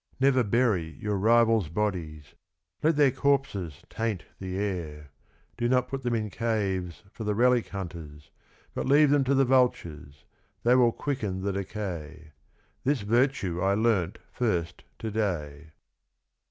32 Never bury your rival's bodies, let their corpses taint the air; do not put them in caves for the relic hunters, but leave them to the vultures, they will quicken the decay. This Virtue I learnt, first, to day.